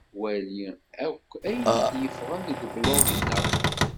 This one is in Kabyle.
Wali akk ayen i d-yeffɣen deg ublug-nneɣ.